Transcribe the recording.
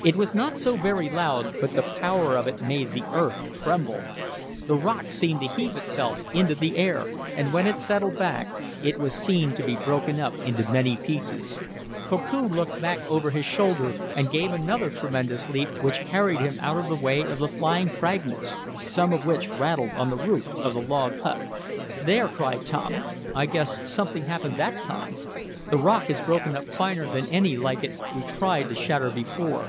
It was not so very loud, but the power of it made the earth tremble. The rock seemed to heave itself into the air, and when it settled back it was seen to be broken up into many pieces. Koku looked back over his shoulder and gave another tremendous leap, which carried him out of the way of the flying fragments, some of which rattled on the roof of the log hut. "There!" cried Tom. "I guess something happened that time! The rock is broken up finer than any like it we tried to shatter before.